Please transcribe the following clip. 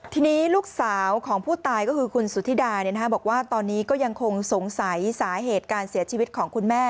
ทีนี้ลูกสาวของผู้ตายก็คือคุณสุธิดาบอกว่าตอนนี้ก็ยังคงสงสัยสาเหตุการเสียชีวิตของคุณแม่